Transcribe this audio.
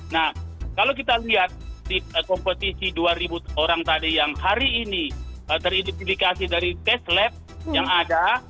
nah kalau kita lihat di kompetisi dua ribu orang tadi yang hari ini teridentifikasi dari tes lab yang ada